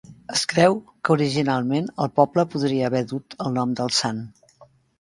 Es creu que originalment el poble podria haver dut el nom del sant.